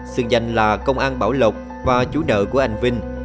sự dành là công an bảo lộc và chú nợ của anh vinh